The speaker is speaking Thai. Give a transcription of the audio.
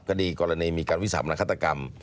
คดีกรณีมีการวิสัยบรรคตรกรรม